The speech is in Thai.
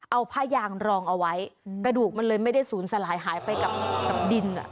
เอาผ้ายางรองเอาไว้กระดูกมันเลยไม่ได้ศูนย์สลายหายไปกับดินอ่ะ